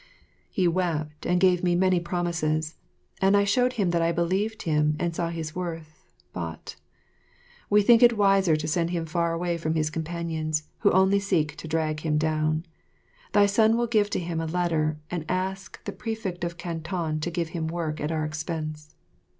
He wept and gave me many promises; and I showed him that I believed in him, and saw his worth. But we think it wiser to send him far away from his companions, who only seek to drag him down. Thy son will give to him a letter and ask the Prefect of Canton to give him work at our expense.